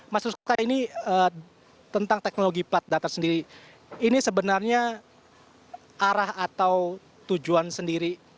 mas ruskoka ini tentang teknologi plat datar sendiri ini sebenarnya arah atau tujuan sendiri